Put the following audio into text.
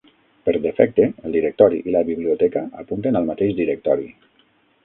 Per defecte, el directori i la biblioteca apunten al mateix directori.